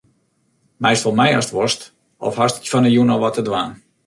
Meist wol mei ast wolst of hast fan 'e jûn al wat te dwaan?